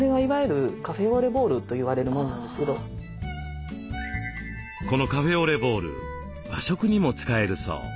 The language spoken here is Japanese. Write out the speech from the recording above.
このカフェオレボウル和食にも使えるそう。